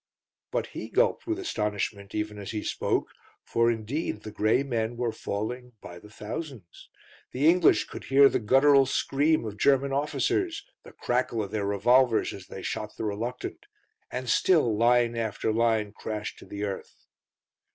But he gulped with astonishment even as he spoke, for, indeed, the grey men were falling by the thousands. The English could hear the guttural scream of the German officers, the crackle of their revolvers as they shot the reluctant; and still line after line crashed to the earth.